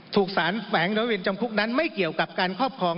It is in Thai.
ถูกสารแฝงร้อยเวรจำคุกนั้นไม่เกี่ยวกับการครอบครอง